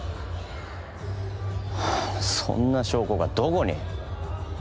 はあそんな証拠がどこに？